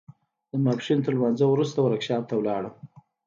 د ماسپښين تر لمانځه وروسته ورکشاپ ته ولاړم.